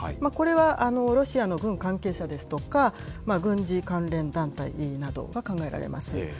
これはロシアの軍関係者ですとか、軍事関連団体などが考えられます。